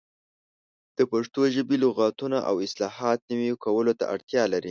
د پښتو ژبې لغتونه او اصطلاحات نوي کولو ته اړتیا لري.